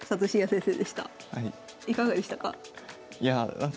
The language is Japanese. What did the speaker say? いかがでしたか？